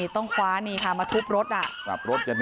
ต้องคว้านี่มาทุบรถอ่ะ